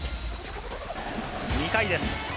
２回です。